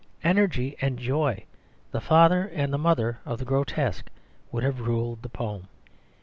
Energy and joy, the father and the mother of the grotesque, would have ruled the poem.